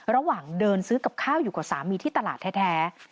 ระหว่างเดินซื้อกับข้าวอยู่กับสามีที่ตลาดแท้